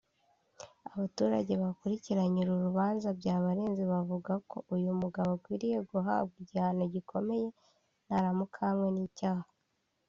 Abaturage bakurikiranye uru rubanza byabarenze bavuga ko uyu mugabo akwiriye guhabwa igihano gikomeye naramuka ahamwe n’icyaha